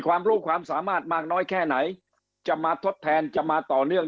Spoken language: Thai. ความรู้ความสามารถมากน้อยแค่ไหนจะมาทดแทนจะมาต่อเนื่อง